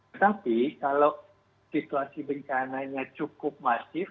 tetapi kalau situasi bencananya cukup masif